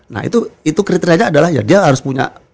nah itu kriteria nya adalah ya dia harus punya